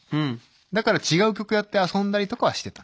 だから違う曲やって遊んだりとかはしてた。